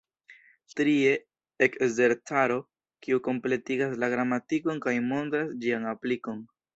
Trie, Ekzercaro, kiu kompletigas la gramatikon kaj montras ĝian aplikon.